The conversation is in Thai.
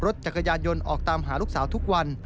รถจักรยานยนต์ออกตามหาลูกสาวทุกวัน